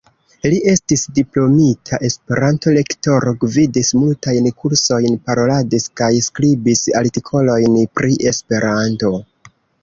Li estis diplomita Esperanto-lektoro, gvidis multajn kursojn, paroladis kaj skribis artikolojn pri Esperanto.